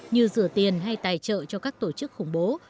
như rửa tiền hay tài trợ cho các tổ chức khủng bố